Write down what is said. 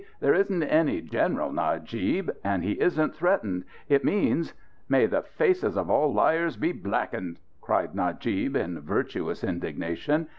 There isn't any 'general,' Najib. And he isn't threatened. It means " "May the faces of all liars be blackened!" cried Najib in virtuous indignation.